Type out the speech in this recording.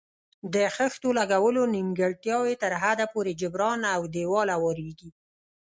د خښتو لګولو نیمګړتیاوې تر حده پورې جبران او دېوال اواریږي.